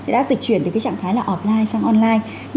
đã dịch chuyển từ trạng thái là offline sang online